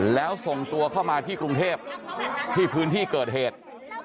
แล้วส่งตัวเข้ามาที่กรุงเทพที่พื้นที่เกิดเหตุ